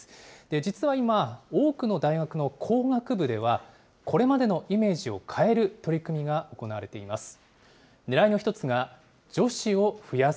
実は今、多くの大学の工学部では、これまでのイメージを変える取り組みが行われています。